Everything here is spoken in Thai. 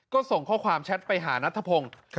ก็ส่งข้อความแชทไปหานัทธพงศ์